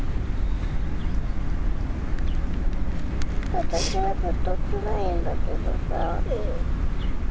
私はずっとつらいんだけどさ。